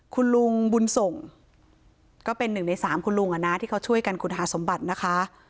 คุณลุงบุญส่งก็เป็นหนึ่งในสามคุณลุงที่เขาช่วยกันขุดหาสมบัตินะคะ